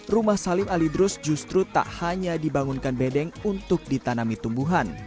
rumah salim alidrus justru tak hanya dibangunkan bedeng untuk ditanami tumbuhan